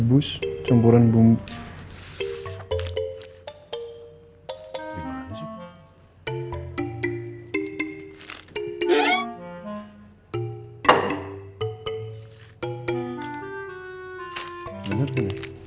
rebus campuran bumbu